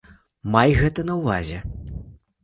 Май гэта на ўвазе.